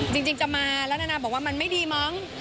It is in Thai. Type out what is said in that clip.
จริงจะมาแล้วนานาบอกว่ามันไม่ดีมั้ง